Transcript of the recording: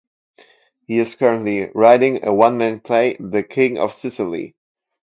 He is currently writing a one-man play "The King Of Sicily".